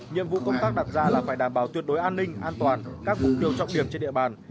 nhiệm vụ công tác đặt ra là phải đảm bảo tuyệt đối an ninh an toàn các mục tiêu trọng điểm trên địa bàn